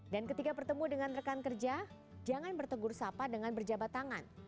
ketika bertemu dengan rekan kerja jangan bertegur sapa dengan berjabat tangan